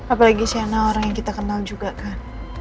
apalagi sena orang yang kita kenal juga kan